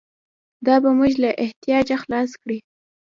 دا به موږ له احتیاجه خلاص کړي.